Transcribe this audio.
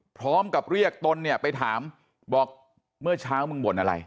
พร้อมกับเรียกตนเนี่ยไปถามบอกเมื่อเช้ามึงบ่นอะไร